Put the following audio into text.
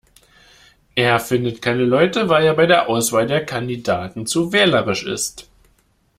Er findet keine Leute, weil er bei der Auswahl der Kandidaten zu wählerisch ist.